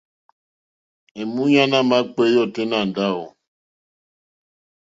Èmúɲánà àmà kpééyá ôténá ndáwù.